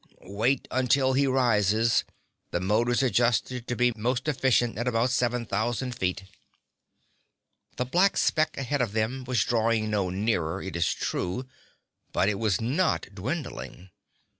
"Wait until he rises. The motor's adjusted to be most efficient at about seven thousand feet." The black speck ahead of them was drawing no nearer, it is true, but it was not dwindling.